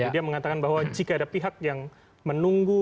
dia mengatakan bahwa jika ada pihak yang menunggu